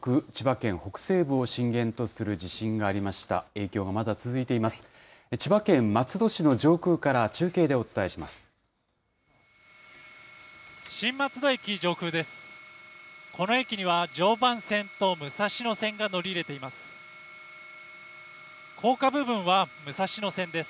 この駅には常磐線と武蔵野線が乗り入れています。